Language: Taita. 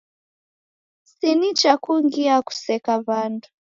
Si nicha kungi kuseka w'andu.